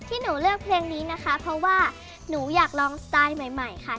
ที่หนูเลือกเพลงนี้นะคะเพราะว่าหนูอยากลองสไตล์ใหม่ใหม่ค่ะ